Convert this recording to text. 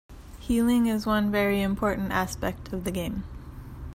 Healing is one very important aspect of the game.